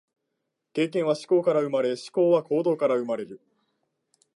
経験は思考から生まれ、思考は行動から生まれる。